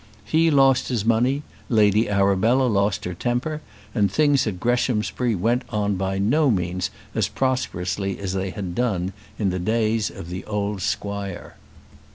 He lost his money, Lady Arabella lost her temper, and things at Greshamsbury went on by no means as prosperously as they had done in the days of the old squire.